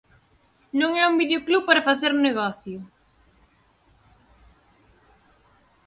Non é un videoclub para facer negocio.